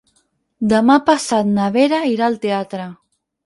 Demà passat na Vera irà al teatre.